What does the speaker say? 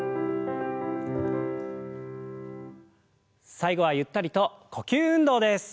最後はゆったりと呼吸運動です。